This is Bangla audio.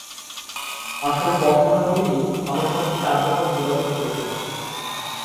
আসলে কথা না বলেই আমরা সবচেয়ে কার্যকর যোগাযোগ করে থাকি।